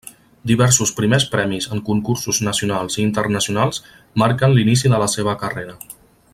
Diversos primers premis en concursos nacionals i internacionals marquen l'inici de la seva carrera.